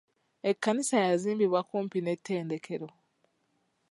Ekkanisa yazimbibwa kumpi n'ettendekero.